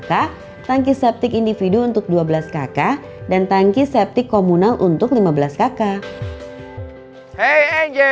kakak tanki septic individu untuk dua belas kak dan tanki septic komunal untuk lima belas kita hey